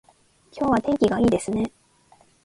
今日は天気がいいですね